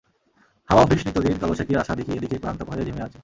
হাওয়া অফিস নিত্যদিন কালবৈশাখীর আশা দেখিয়ে দেখিয়ে ক্লান্ত হয়ে ঝিমিয়ে রয়েছে।